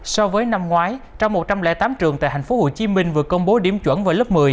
so với năm ngoái trong một trăm linh tám trường tại tp hcm vừa công bố điểm chuẩn vào lớp một mươi